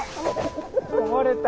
こぼれた。